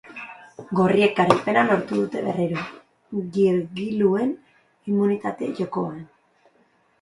Gorriek garaipena lortu dute berriro, girgiluen immunitate-jokoan.